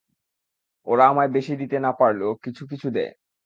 ওরা আমায় বেশী দিতে না পারলেও কিছু কিছু দেয়।